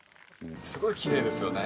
すごいきれいですよね。